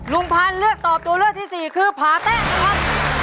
ลุงพันธ์เลือกตอบตัวเลือกที่สี่คือผาแต้นะครับ